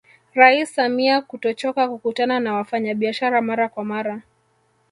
Rais Samia kutochoka kukutana na wafanyabiashara mara kwa mara